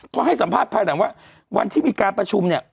เขาให้สัมภาษณ์ภายหลังว่าวันที่มีการประชุมเนี่ย